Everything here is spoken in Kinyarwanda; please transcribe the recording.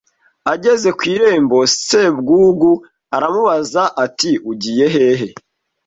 ageze ku irembo Sebwugugu aramubaza ati Ugiye hehe